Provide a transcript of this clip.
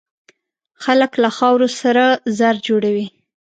خلک له خاورو سره زر جوړوي.